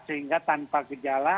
sehingga tanpa gejala